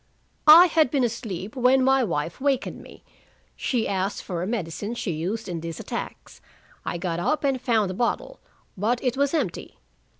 "I had been asleep when my wife wakened me. She asked for a medicine she used in these attacks. I got up and found the bottle, but it was empty.